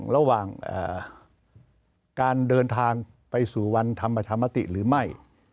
ระหว่างการเดินทางไปสู่วันทำประชามติหรือไม่